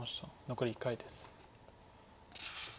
残り１回です。